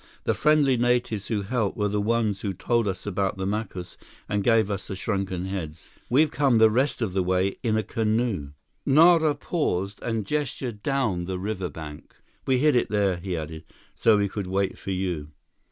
The friendly natives who helped were the ones who told us about the Macus and gave us the shrunken heads. We've come the rest of the way in a canoe." Nara paused and gestured down the riverbank. "We hid it there," he added, "so we could wait for you."